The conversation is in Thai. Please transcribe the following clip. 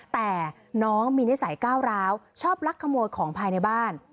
แต่น้องมีนิสัยก้าวร้าวชอบลักขโมยของภายในบ้าน